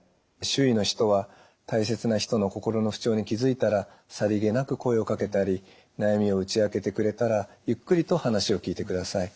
周囲の人は大切な人の心の不調に気付いたらさりげなく声をかけたり悩みを打ち明けてくれたらゆっくりと話を聞いてください。